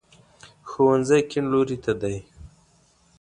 ښوونځی کیڼ لوري ته دی